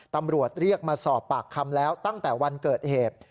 ตำรวจเรียกมาสอบปากคำแล้วตั้งแต่วันเกิดเหตุ